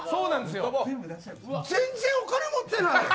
全然お金持ってない。